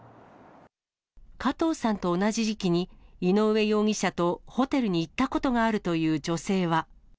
加藤さんと同じ時期に、井上容疑者とホテルに行ったことがあるという女性は。